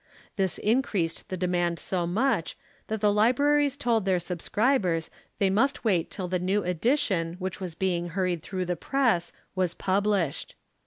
This increased the demand so much that the libraries told their subscribers they must wait till the new edition, which was being hurried through the press, was published.